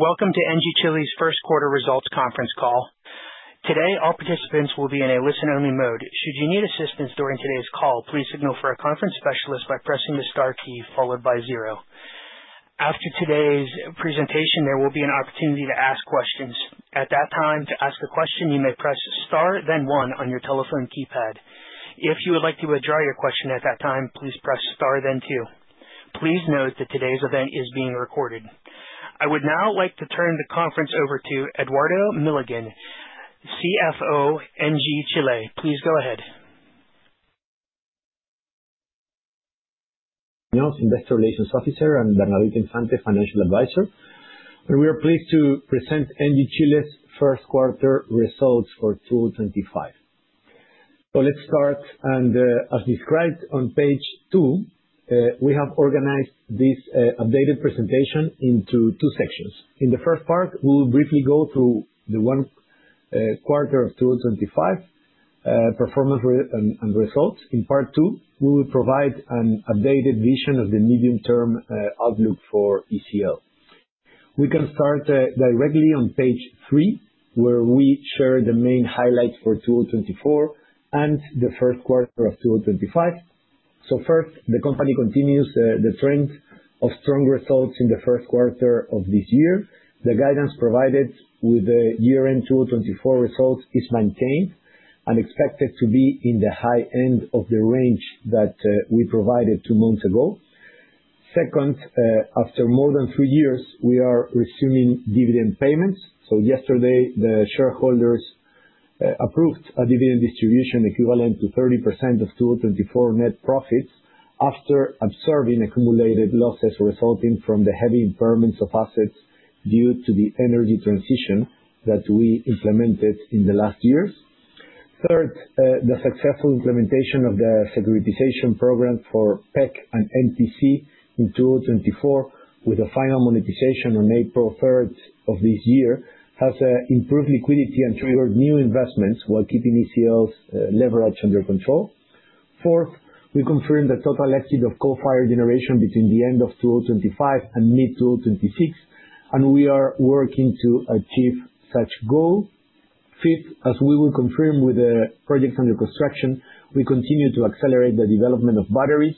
Welcome to ENGIE Chile's first quarter results conference call. Today, all participants will be in a listen-only mode. Should you need assistance during today's call, please signal for a conference specialist by pressing the star key followed by zero. After today's presentation, there will be an opportunity to ask questions. At that time, to ask a question, you may press star, then one on your telephone keypad. If you would like to withdraw your question at that time, please press star, then two. Please note that today's event is being rE-CLrded. I would now like to turn the conference over to Eduardo Milligan, CFO, ENGIE Chile. Please go ahead. Investor Relations Officer and Bernardita Infante, Financial Advisor, and we are pleased to present ENGIE Chile's first quarter results for 2025. Let's start, and, as described on page 2, we have organized this updated presentation into two sections. In the first part, we will briefly go through the first quarter of 2025 performance and results. In part two, we will provide an updated vision of the medium-term outlook for E-CL. We can start directly on page 3, where we share the main highlights for 2024 and the first quarter of 2025. First, the company continues the trend of strong results in the first quarter of this year. The guidance provided with the year-end 2024 results is maintained and expected to be in the high end of the range that we provided two months ago. SE-CLnd, after more than three years, we are resuming dividend payments. So yesterday, the shareholders approved a dividend distribution equivalent to 30% of 2024 net profits, after absorbing accumulated losses resulting from the heavy impairments of assets due to the energy transition that we implemented in the last years. Third, the successful implementation of the securitization program for PEC and MPC in 2024, with a final monetization on April 3 of this year, has improved liquidity and triggered new investments while keeping ECL's leverage under control. Fourth, we confirm the total exit of coal-fired generation between the end of 2025 and mid-2026, and we are working to achieve such goal. Fifth, as we will confirm with the projects under construction, we continue to accelerate the development of batteries,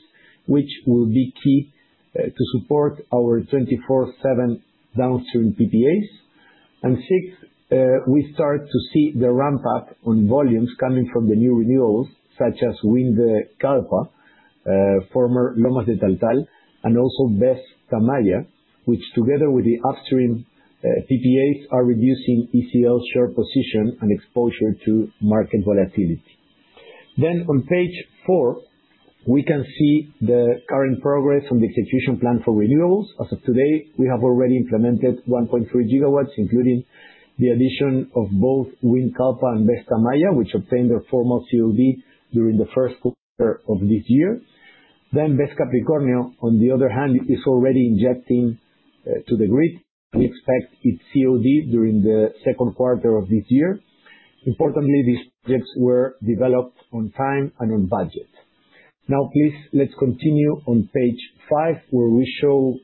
which will be key to support our 24/7 downstream PPAs. And sixth, we start to see the ramp-up on volumes coming from the new renewables, such as Kallpa, former Lomas de Taltal, and also BESS Tamaya, which together with the upstream PPAs, are reducing E-CL's share position and exposure to market volatility. Then on page 4, we can see the current progress on the execution plan for renewables. As of today, we have already implemented 1.3 GW, including the addition of both Kallpa and BESS Tamaya, which obtained their formal COD during the first quarter of this year. Then, BESS Capricornio, on the other hand, is already injecting to the grid. We expect its COD during the sE-CLnd quarter of this year. Importantly, these projects were developed on time and on budget. Now, please, let's continue on page 5, where we show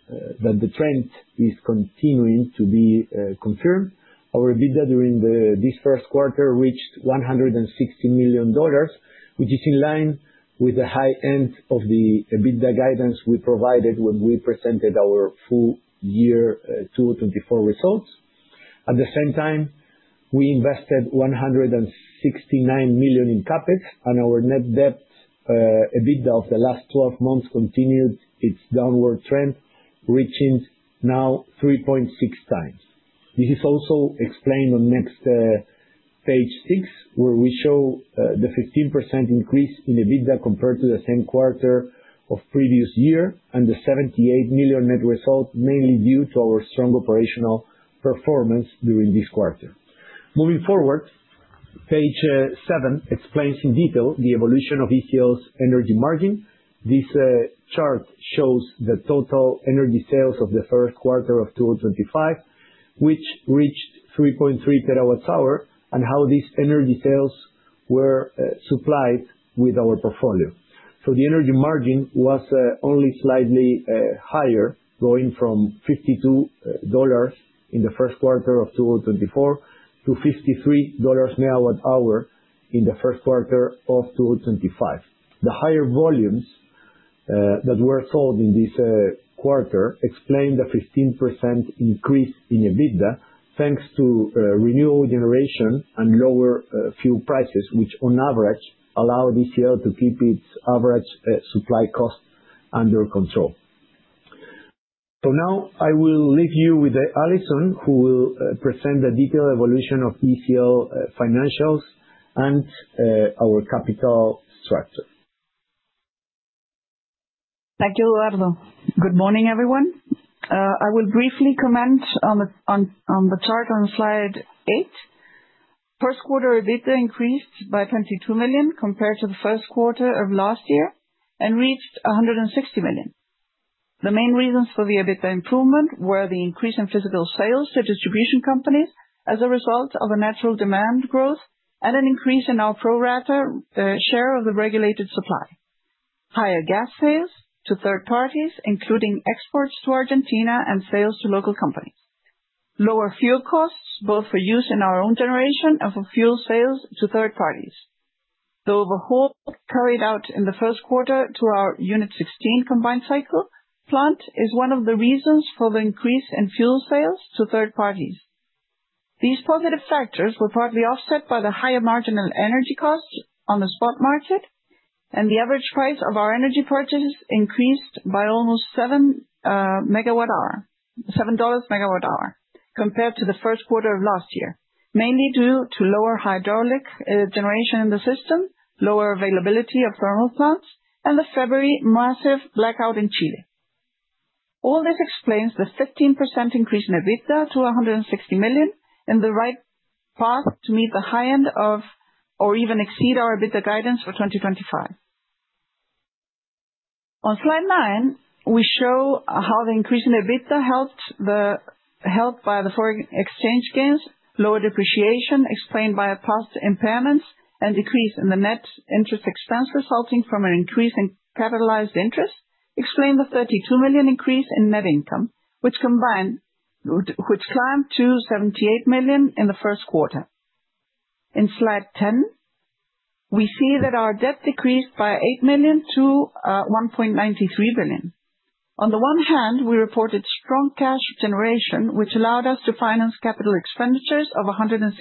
that the trend is continuing to be confirmed. Our EBITDA during this first quarter reached $160 million, which is in line with the high end of the EBITDA guidance we provided when we presented our full year 2024 results. At the same time, we invested $169 million in CapEx, and our net debt EBITDA of the last 12 months continued its downward trend, reaching now 3.6x. This is also explained on next page 6, where we show the 15% increase in EBITDA compared to the same quarter of previous year, and the $78 million net result, mainly due to our strong operational performance during this quarter. Moving forward, page seven explains in detail the evolution of ECL's energy margin. This chart shows the total energy sales of the first quarter of 2025, which reached 3.3 TWh, and how these energy sales were supplied with our portfolio. So the energy margin was only slightly higher, going from $52 in the first quarter of 2024 to $53/MWh in the first quarter of 2025. The higher volumes that were sold in this quarter explain the 15% increase in EBITDA, thanks to renewable generation and lower fuel prices, which on average allow ECL to keep its average supply cost under control. So now I will leave you with Alison, who will present the detailed evolution of ECL financials and our capital structure. Thank you, Eduardo. Good morning, everyone. I will briefly comment on the chart on Slide 8. First quarter, EBITDA increased by $22 million compared to the first quarter of last year and reached $160 million. The main reasons for the EBITDA improvement were the increase in physical sales to distribution companies as a result of a natural demand growth, and an increase in our pro rata share of the regulated supply, higher gas sales to third parties, including exports to Argentina and sales to local companies. Lower fuel costs, both for use in our own generation and for fuel sales to third parties. The overhaul carried out in the first quarter to our Unit Sixteen combined cycle plant is one of the reasons for the increase in fuel sales to third parties. These positive factors were partly offset by the higher marginal energy costs on the spot market, and the average price of our energy purchases increased by almost $7/MWh, compared to the first quarter of last year, mainly due to lower hydraulic generation in the system, lower availability of thermal plants, and the February massive blackout in Chile. All this explains the 15% increase in EBITDA to $160 million, and the right path to meet the high end of, or even exceed our EBITDA guidance for 2025. On Slide 9, we show how the increase in EBITDA helped by the foreign exchange gains, lower depreciation explained by past impairments, and decrease in the net interest expense, resulting from an increase in capitalized interest, explain the $32 million increase in net income, which climbed to $78 million in the first quarter. In Slide 10, we see that our debt decreased by $8 million to $1.93 billion. On the one hand, we reported strong cash generation, which allowed us to finance capital expenditures of $161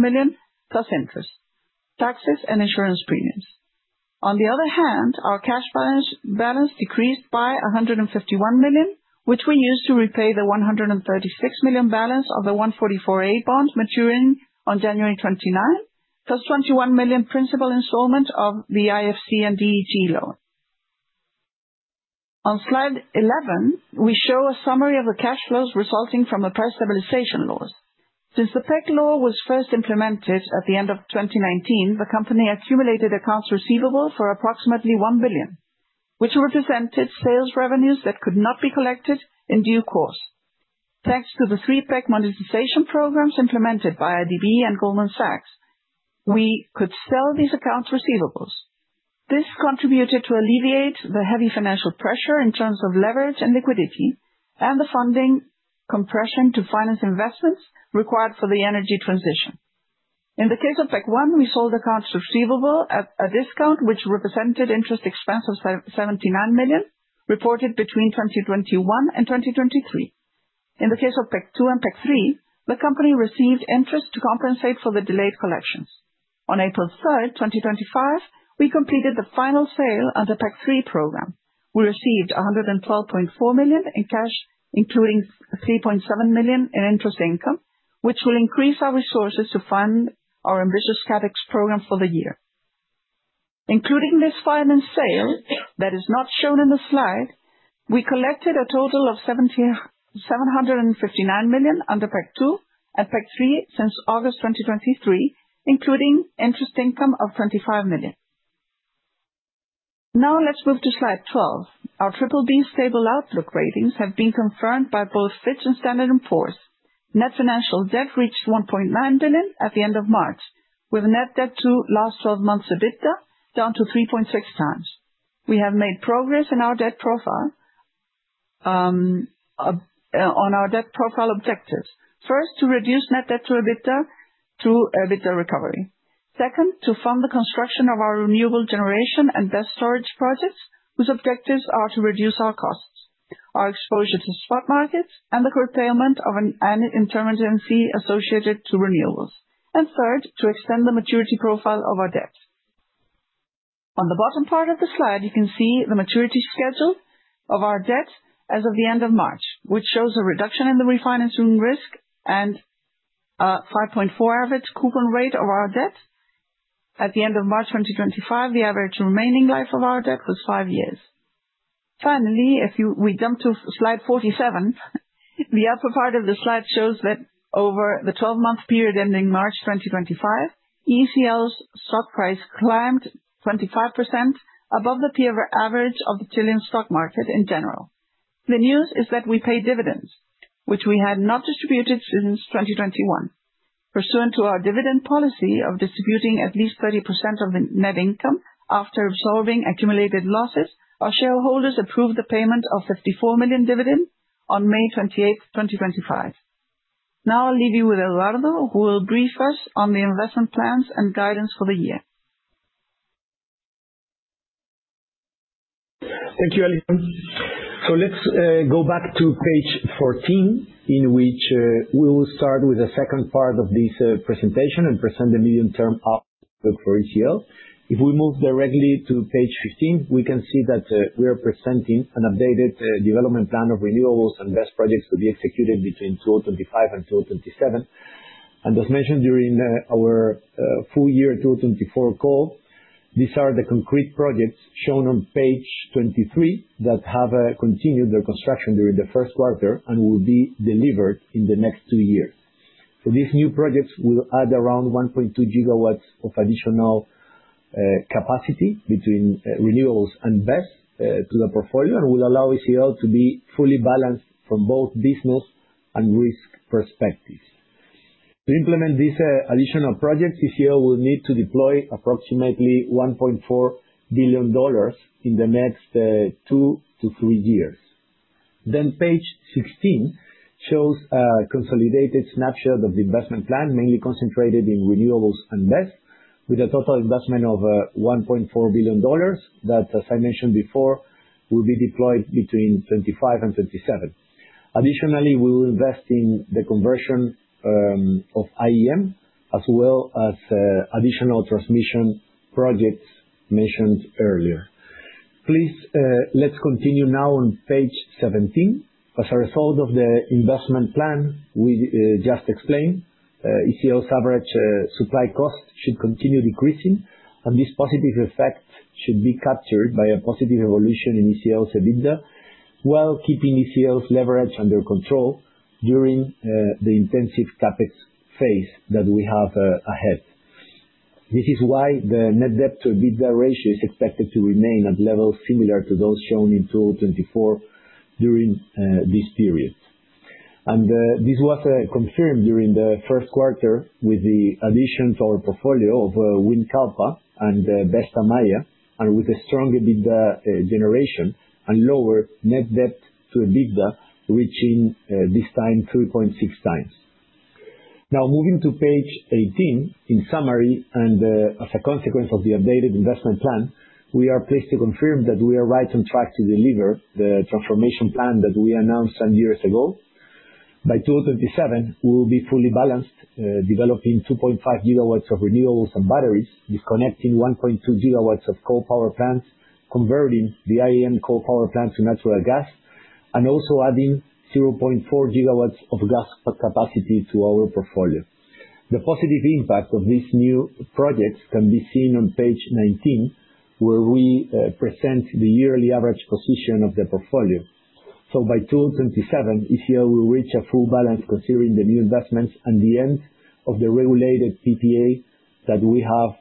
million, plus interest, taxes, and insurance premiums. On the other hand, our cash balance decreased by $151 million, which we used to repay the $136 million balance of the 144A bonds maturing on January 29, plus $21 million principal installment of the IFC and DEG loan. On Slide 11, we show a summary of the cash flows resulting from the past stabilization laws. Since the PEC law was first implemented at the end of 2019, the company accumulated accounts receivable for approximately $1 billion, which represented sales revenues that could not be collected in due course. Thanks to the three PEC monetization programs implemented by IDB and Goldman Sachs, we could sell these accounts receivables. This contributed to alleviate the heavy financial pressure in terms of leverage and liquidity, and the funding compression to finance investments required for the energy transition. In the case of PEC One, we sold accounts receivable at a discount, which represented interest expense of $79 million, reported between 2021 and 2023. In the case of PEC Two and PEC Three, the company received interest to compensate for the delayed collections. On April 3, 2025, we completed the final sale of the PEC Three program. We received $112.4 million in cash, including $3.7 million in interest income, which will increase our resources to fund our ambitious CapEx program for the year. Including this final sale, that is not shown in the slide, we collected a total of $759 million under PEC Two and PEC Three since August 2023, including interest income of $25 million. Now, let's move to Slide 12. Our triple B stable outlook ratings have been confirmed by both Fitch and Standard & Poor's. Net financial debt reached $1.9 billion at the end of March, with a net debt to last 12 months EBITDA down to 3.6x. We have made progress in our debt profile, on our debt profile objectives. First, to reduce net debt to EBITDA through EBITDA rE-CLvery. SE-CLnd, to fund the construction of our renewable generation and BESS storage projects, whose objectives are to reduce our costs, our exposure to spot markets, and the curtailment of an annual intermittency associated to renewables. And third, to extend the maturity profile of our debt. On the bottom part of the slide, you can see the maturity schedule of our debt as of the end of March, which shows a reduction in the refinancing risk and 5.4% average coupon rate of our debt. At the end of March 2025, the average remaining life of our debt was five years. Finally, we jump to Slide 47, the upper part of the slide shows that over the 12-month period ending March 2025, E-CL's stock price climbed 25% above the peer average of the Chilean stock market in general. The news is that we paid dividends, which we had not distributed since 2021. Pursuant to our dividend policy of distributing at least 30% of the net income after resolving accumulated losses, our shareholders approved the payment of $54 million dividend on May 28, 2025. Now I'll leave you with Eduardo, who will brief us on the investment plans and guidance for the year. Thank you, Alison. So let's go back to page 14, in which we will start with the sE-CLnd part of this presentation and present the medium-term outlook for ECL. If we move directly to page 15, we can see that we are presenting an updated development plan of renewables and BESS projects to be executed between 2025 and 2027. And as mentioned during our full year 2024 call, these are the concrete projects shown on page 23, that have continued their construction during the first quarter and will be delivered in the next two years. So these new projects will add around 1.2 GW of additional capacity between renewables and BESS to the portfolio, and will allow ECL to be fully balanced from both business and risk perspectives. To implement these additional projects, E-CL will need to deploy approximately $1.4 billion in the next two-three years. Then page 16 shows a consolidated snapshot of the investment plan, mainly concentrated in renewables and, with a total investment of $1.4 billion, that, as I mentioned before, will be deployed between 2025 and 2027. Additionally, we will invest in the conversion of IEM, as well as additional transmission projects mentioned earlier. Please, let's continue now on page 17. As a result of the investment plan we just explained, E-CL's average supply cost should continue decreasing, and this positive effect should be captured by a positive evolution in E-CL's EBITDA, while keeping E-CL's leverage under control during the intensive CapEx phase that we have ahead. This is why the net debt to EBITDA ratio is expected to remain at levels similar to those shown in 2024, during this period. This was confirmed during the first quarter, with the addition to our portfolio of and BESS Tamaya, and with a strong EBITDA generation, and lower net debt to EBITDA, reaching this time, 2.6x. Now, moving to page 18, in summary, as a consequence of the updated investment plan, we are pleased to confirm that we are right on track to deliver the transformation plan that we announced some years ago. By 2027, we will be fully balanced, developing 2.5 gigawatts of renewables and batteries, disconnecting 1.2 gigawatts of coal power plants, converting the IEM coal power plant to natural gas, and also adding 0.4 gigawatts of gas capacity to our portfolio. The positive impact of these new projects can be seen on page 19, where we present the yearly average position of the portfolio. So by 2027, E-CL will reach a full balance, considering the new investments and the end of the regulated PPA that we have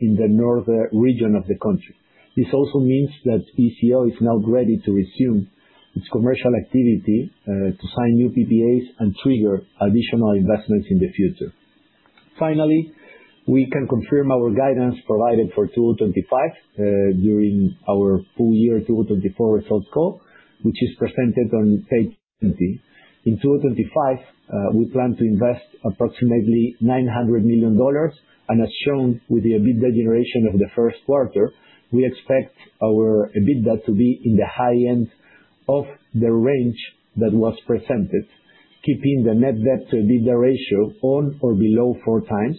in the north region of the country. This also means that E-CL is now ready to resume its commercial activity to sign new PPAs and trigger additional investments in the future. Finally, we can confirm our guidance provided for 2025 during our full year 2024 results call, which is presented on page 20. In 2025, we plan to invest approximately $900 million, and as shown with the EBITDA generation of the first quarter, we expect our EBITDA to be in the high end of the range that was presented, keeping the net debt to EBITDA ratio on or below 4x.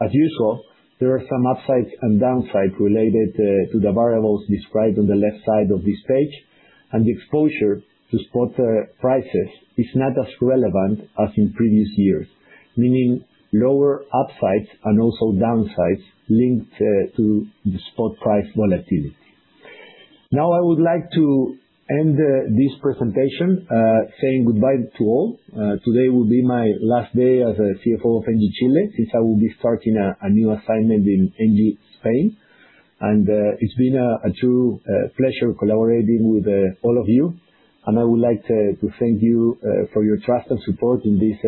As usual, there are some upsides and downsides related to the variables described on the left side of this page, and the exposure to spot prices is not as relevant as in previous years, meaning lower upsides and also downsides linked to the spot price volatility. Now, I would like to end this presentation saying goodbye to all. Today will be my last day as a CFO of ENGIE Chile, since I will be starting a new assignment in ENGIE Spain, and it's been a true pleasure collaborating with all of you. I would like to thank you for your trust and support in this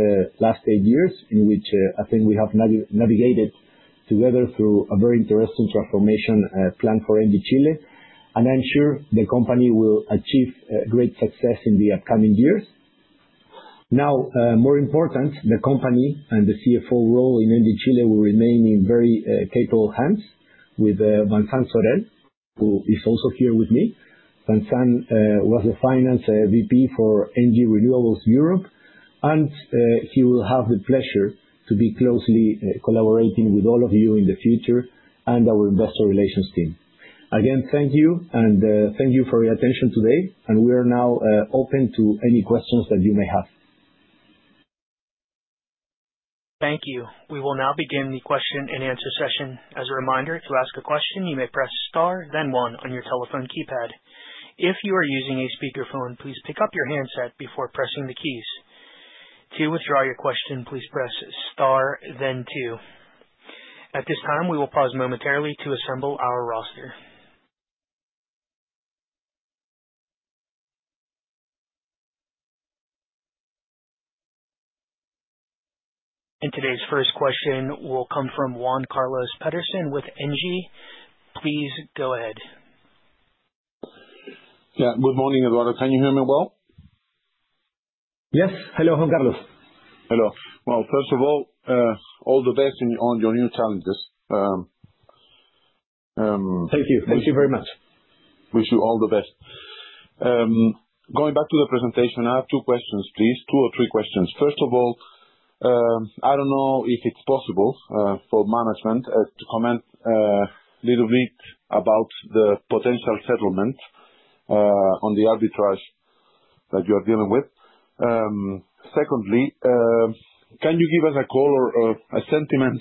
last eight years, in which I think we have navigated together through a very interesting transformation plan for ENGIE Chile. I'm sure the company will achieve great success in the upcoming years. Now, more important, the company and the CFO role in ENGIE Chile will remain in very capable hands with Vincent Sorel, who is also here with me. Vincent was a Finance VP for ENGIE Renewables Europe, and he will have the pleasure to be closely collaborating with all of you in the future and our investor relations team. Again, thank you, and thank you for your attention today, and we are now open to any questions that you may have. Thank you. We will now begin the question and answer session. As a reminder, to ask a question, you may press star, then one on your telephone keypad. If you are using a speakerphone, please pick up your handset before pressing the keys. To withdraw your question, please press star, then two. At this time, we will pause momentarily to assemble our roster. Today's first question will come from Juan Carlos Peterson with NG. Please go ahead. Yeah, good morning, everyone. Can you hear me well? Yes. Hello, Juan Carlos. Hello. Well, first of all, all the best on your new challenges. Thank you. Thank you very much. Wish you all the best. Going back to the presentation, I have two questions, please, two or three questions. First of all, I don't know if it's possible for management to comment little bit about the potential settlement on the arbitrage that you are dealing with. SE-CLndly, can you give us a call or a sentiment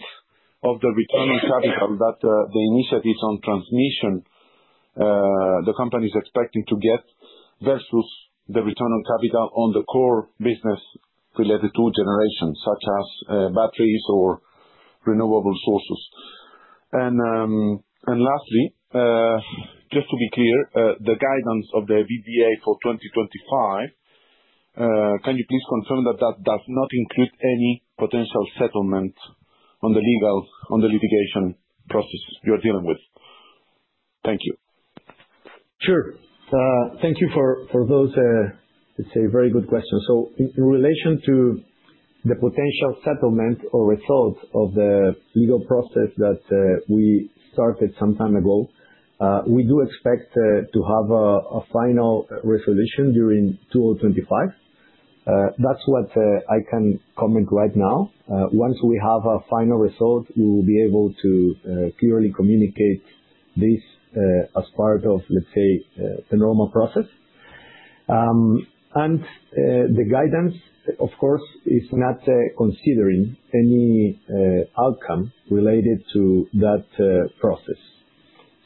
of the return on capital that the initiatives on transmission the company is expecting to get, versus the return on capital on the core business related to generation, such as batteries or renewable sources? Lastly, just to be clear, the guidance of the EBITDA for 2025, can you please confirm that that does not include any potential settlement on the legal, on the litigation process you're dealing with? Thank you. Sure. Thank you for those. It's a very good question. So in relation to the potential settlement or result of the legal process that we started some time ago, we do expect to have a final resolution during 2025. That's what I can comment right now. Once we have a final result, we will be able to clearly communicate this as part of, let's say, the normal process. And the guidance, of course, is not considering any outcome related to that process.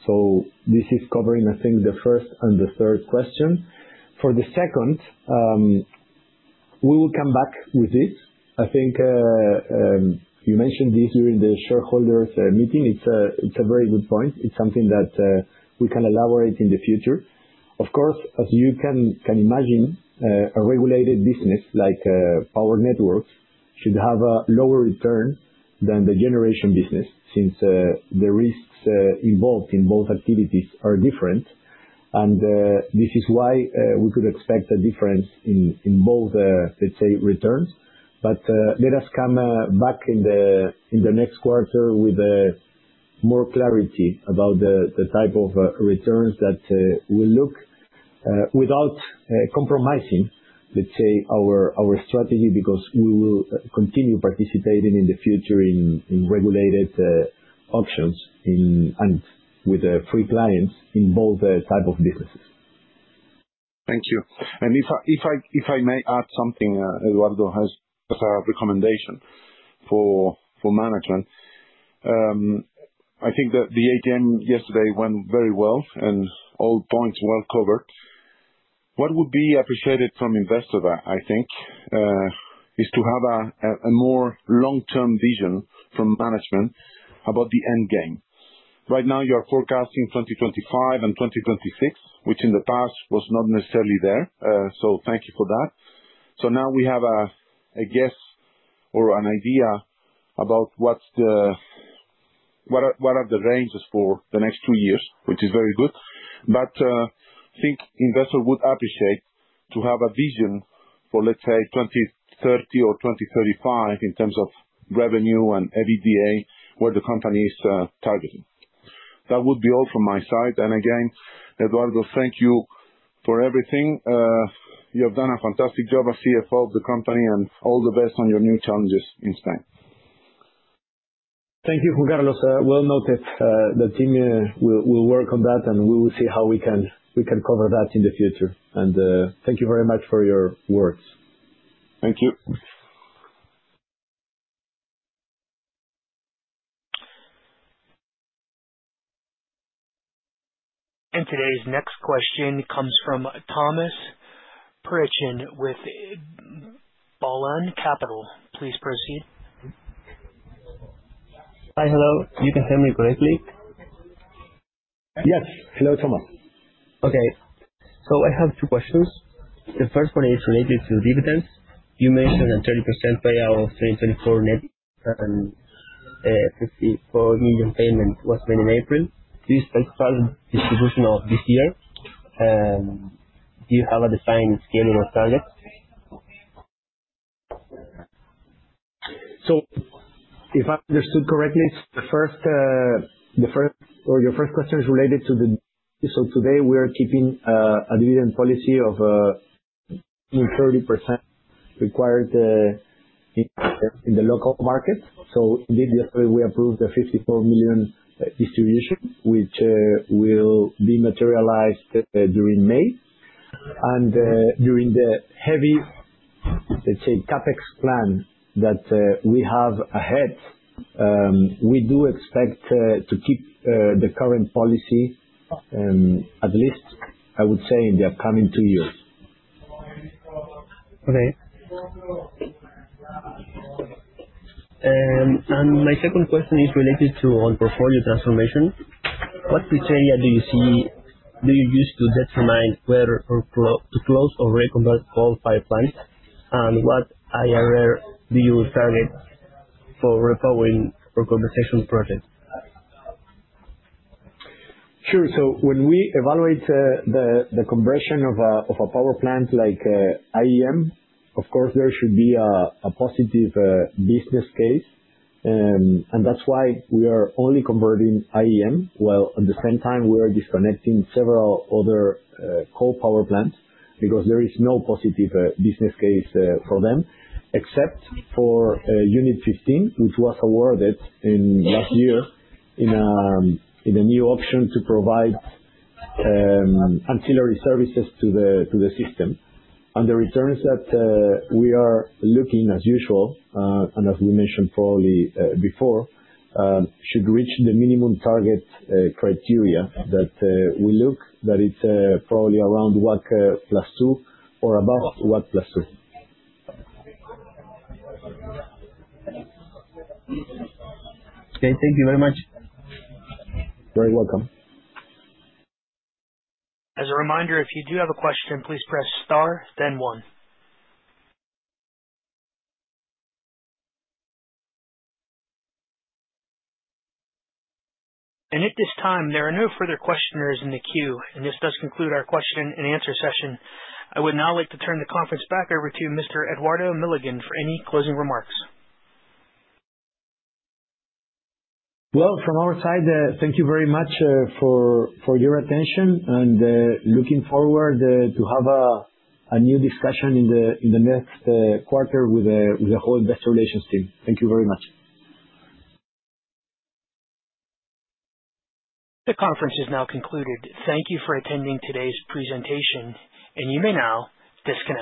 So this is covering, I think, the first and the third question. For the sE-CLnd, we will come back with it. I think you mentioned this during the shareholders meeting. It's a very good point. It's something that we can elaborate in the future. Of course, as you can imagine, a regulated business like our networks should have a lower return than the generation business, since the risks involved in both activities are different. And this is why we could expect a difference in both, let's say, returns. But let us come back in the next quarter with more clarity about the type of returns that we look without compromising, let's say, our strategy, because we will continue participating in the future in regulated options, in, and with the free clients in both type of businesses. Thank you. If I may add something, Eduardo, as a rE-CLmmendation for management. I think that the AGM yesterday went very well, and all points well covered. What would be appreciated from investors, I think, is to have a more long-term vision from management about the end game. Right now, you are forecasting 2025 and 2026, which in the past was not necessarily there, so thank you for that. So now we have a guess or an idea about what the ranges are for the next two years, which is very good. But I think investors would appreciate to have a vision for, let's say, 2030 or 2035, in terms of revenue and EBITDA, where the company is targeting. That would be all from my side. Again, Eduardo, thank you for everything. You have done a fantastic job as CFO of the company, and all the best on your new challenges in Spain. Thank you, Juan Carlos. Well noted. The team will work on that, and we will see how we can cover that in the future. Thank you very much for your words. Thank you. Today's next question comes from Thomas Pritchin with Baleen Capital. Please proceed. Hi. Hello. You can hear me correctly? Yes. Hello, Thomas. Okay, so I have two questions. The first one is related to dividends. You mentioned a 30% payout of 2024 net, and $54 million payment was made in April. Do you expect final distribution of this year? Do you have a defined scheduling or target? So if I understood correctly, your first question is related to the. So today, we are keeping a dividend policy of 30% required in the local market. So indeed, yesterday we approved the $54 million distribution, which will be materialized during May. And during the heavy, let's say, CapEx plan that we have ahead, we do expect to keep the current policy at least, I would say, in the upcoming two years. Okay. And my sE-CLnd question is related to our portfolio transformation. What criteria do you use to determine where to close or rE-CLnvert coal-fired plants? And what IRR do you target for repowering or conversion projects? Sure. So when we evaluate the conversion of a power plant like IEM, of course, there should be a positive business case. And that's why we are only converting IEM, while at the same time we are disconnecting several other coal power plants, because there is no positive business case for them, except for Unit Fifteen, which was awarded in last year in a new option to provide ancillary services to the system. And the returns that we are looking as usual, and as we mentioned probably before, should reach the minimum target criteria that we look, that it's probably around WACC plus two or above WACC plus two. Okay, thank you very much. You're very welcome. As a reminder, if you do have a question, please press star, then one. At this time, there are no further questioners in the queue, and this does conclude our question and answer session. I would now like to turn the conference back over to Mr. Eduardo Milligan for any closing remarks. Well, from our side, thank you very much for your attention, and looking forward to have a new discussion in the next quarter with the whole investor relations team. Thank you very much. The conference is now concluded. Thank you for attending today's presentation, and you may now disconnect.